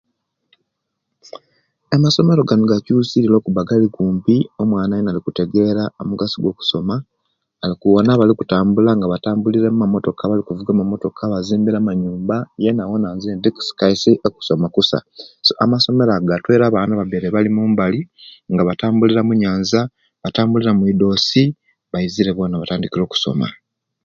Amasomero ganu gachusirie olwokubba gali kumpi omwana yena alikutegera omugaso gwo kusoma alikuwona abali kutambula nga batambulira mu'motoka balikuvuga motoka bazimbire amanyumba yena awona zenti kaisi okusoma kusa so amasomero ago gatweire abana ababbeire bali Mumbai nga batambulira munyanza batambulira mwidosi bayizire bona batandikire okusoma